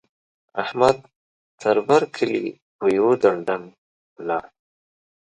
احمد؛ تر بر کلي په يوه دړدنګ ولاړ.